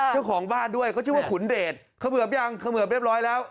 เจ้าของบ้านด้วยเขาชื่อว่าขุนเดชเขมือบยังเขมือบเรียบร้อยแล้ว